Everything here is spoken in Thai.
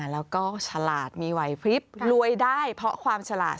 แล้วก็ฉลาดมีไหวพลิบรวยได้เพราะความฉลาด